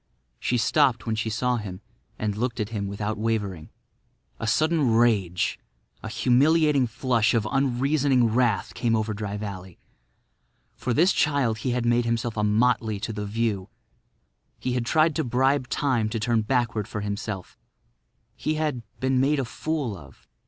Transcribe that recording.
She stopped when she saw him and looked at him without wavering. A sudden rage—a humiliating flush of unreasoning wrath—came over Dry Valley. For this child he had made himself a motley to the view. He had tried to bribe Time to turn backward for himself; he had—been made a fool of.